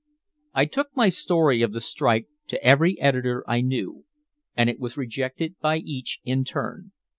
I took my story of the strike to every editor I knew, and it was rejected by each in turn.